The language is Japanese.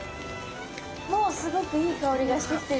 もうすごくいい香りがしてきてる。